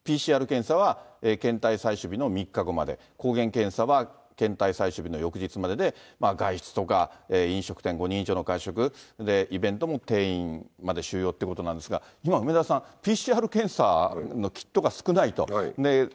ＰＣＲ検査は検体採取日の３日目まで、抗原検査は検体採取日の翌日までで、外出とか飲食店、５人以上の会食、イベントも定員まで収容ということなんですが、今、梅沢さん、ＰＣＲ検査のキットが少ないと。